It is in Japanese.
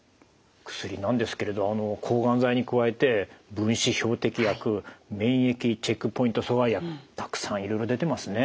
薬なんですけれど抗がん剤に加えて分子標的薬免疫チェックポイント阻害薬たくさんいろいろ出てますね。